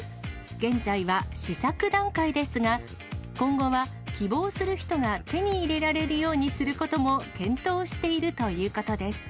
現在は試作段階ですが、今後は希望する人が手に入れられるようにすることも検討しているということです。